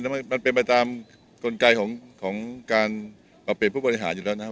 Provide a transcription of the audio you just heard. มันเป็นไปตามกลไกของการเปลี่ยนผู้บริหารอยู่แล้วนะครับ